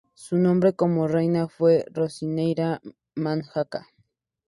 Su nombre como reina fue Rasoherina-Manjaka.